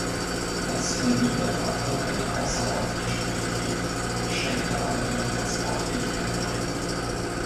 Das verlieh der Waffe eine außerordentliche Stabilität, schränkte aber ihre Transportfähigkeit ein.